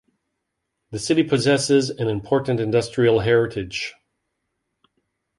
The city possesses an important industrial heritage.